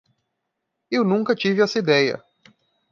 Eu nunca tive essa ideia.